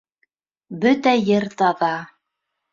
Бөтә ер таҙа.